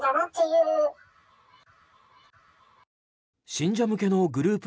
信者向けのグループ